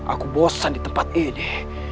aku bosan di tempat ini